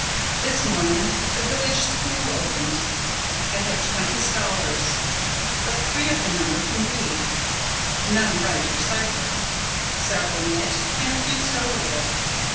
This morning, the village school opened. I had twenty scholars. But three of the number can read: none write or cipher. Several knit, and a few sew a little.